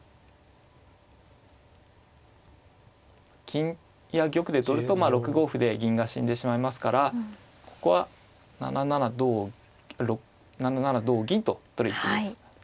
金や玉で取ると６五歩で銀が死んでしまいますからここは７七同銀と取る一手です。